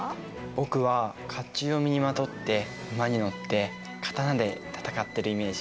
僕は甲冑を身にまとって馬に乗って刀で戦ってるイメージ。